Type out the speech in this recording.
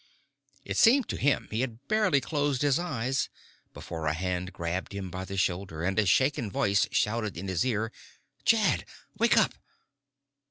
It seemed to him he had barely closed his eyes before a hand grabbed him by the shoulder and a shaken voice shouted in his ear. "Jed! Wake up."